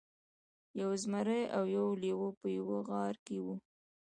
یو زمری او یو لیوه په یوه غار کې وو.